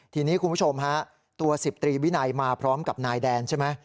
ทีนี้คุณผู้ชมฮะตัว๑๐ตรีวินัยมาพร้อมกับนายแดนใช่ไหม